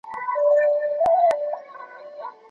تاسو یوازې همت وکړئ.